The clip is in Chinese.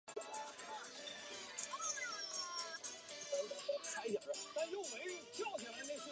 参与这项概念的公司还包括铁路运营商威立雅运输和建筑企业斯堪斯卡。